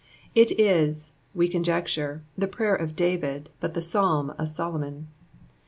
It is, ice conr jedure, the Prayer of David, but the Psalm of Solomon.